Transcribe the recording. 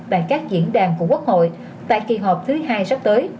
tại các diễn đàn của quốc hội tại kỳ họp thứ hai sắp tới